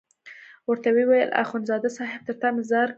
ورته ویې ویل اخندزاده صاحب تر تا مې ځار کړې.